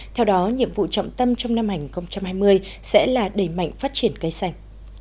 theo đó nhiệm vụ trọng tâm trong năm hai nghìn hai mươi sẽ là đẩy mạnh phát triển cây xanh